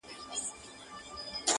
شمع نه په زړه کي دښمني لري؛